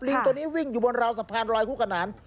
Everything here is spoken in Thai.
ตัวนี้วิ่งอยู่บนราวสะพานลอยคู่ขนาน